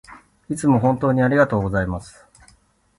いつも本当にありがとうございます